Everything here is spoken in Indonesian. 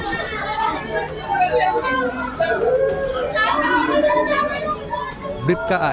polisi yang melakukan visum kemuncikan pemburuan samosir adalah di bapak bapak ini